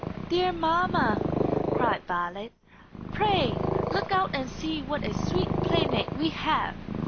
"Dear mamma!" cried Violet, "pray look out and see what a sweet playmate we have!"